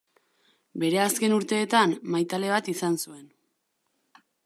Bere azken urteetan, maitale bat izan zuen.